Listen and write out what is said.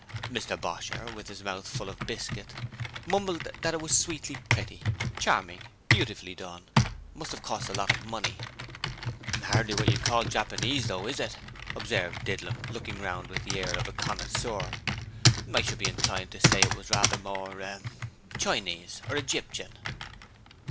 Mr Bosher, with his mouth full of biscuit, mumbled that it was sweetly pretty charming beautifully done must have cost a lot of money. 'Hardly wot you'd call Japanese, though, is it?' observed Didlum, looking round with the air of a connoisseur. 'I should be inclined to say it was rather more of the er Chinese or Egyptian.'